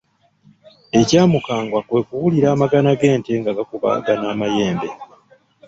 Ekyamukanga kwe kuwulira amagana g’ente nga gakubagana amayembe.